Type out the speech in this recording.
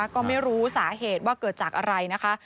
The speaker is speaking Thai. ก็ไม่รู้สาเหตุว่าเกิดจากอะไรนะคะ